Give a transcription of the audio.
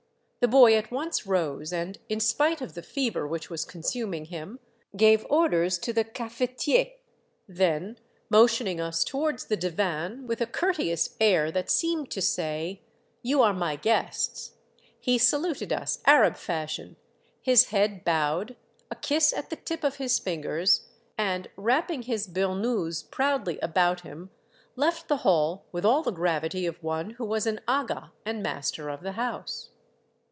The boy at once rose, and in spite of the fever which was consuming him, gave orders to the cafetier; then motioning us towards the divan, with a courteous air that seemed to say, " You are my guests," he saluted us, Arab fashion, his head bowed, a kiss at the tip of his fingers, and wrapping his burnous proudly about him, left the hall with all Decorated the Fifteenth of August, 147 the gravity of one who was an aga and master of the house.